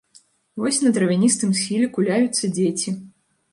Вось на травяністым схіле куляюцца дзеці.